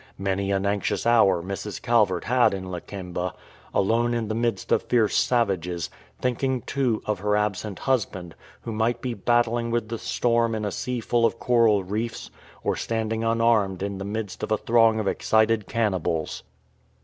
Many an anxious hour Mrs. Calvert had in Lakemba, alone in the midst of fierce savages, thinking, too, of her absent husband, who might be battling with the storm in a sea full of coral reefs, or standing unarmed in the midst of a throng of excited cannibals.